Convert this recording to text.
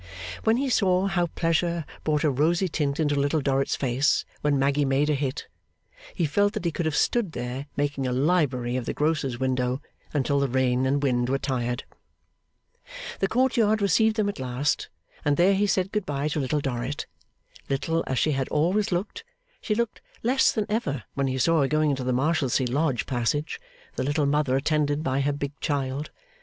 When he saw how pleasure brought a rosy tint into Little Dorrit's face when Maggy made a hit, he felt that he could have stood there making a library of the grocer's window until the rain and wind were tired. The court yard received them at last, and there he said goodbye to Little Dorrit. Little as she had always looked, she looked less than ever when he saw her going into the Marshalsea lodge passage, the little mother attended by her big child.